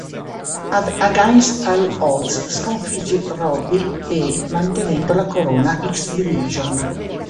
Ad Against All Odds sconfigge Robbie E mantenendo la corona X-Division.